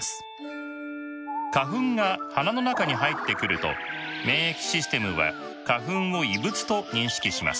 花粉が鼻の中に入ってくると免疫システムは花粉を異物と認識します。